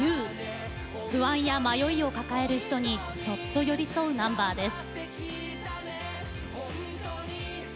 不安や迷いを抱える人にそっと寄り添うナンバーです。